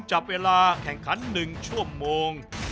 จับเวลาแข่งขัน๑ชั่วโมง